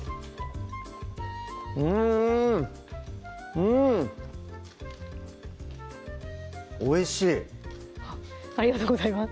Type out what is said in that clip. うんおいしいありがとうございます